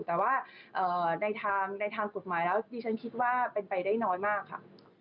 แต่ว่าในทางกฎหมายแล้วดิฉันคิดว่าเป็นไปได้น้อยมากค่ะ